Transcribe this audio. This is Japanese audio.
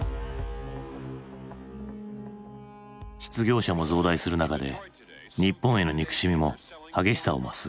失業者も増大する中で日本への憎しみも激しさを増す。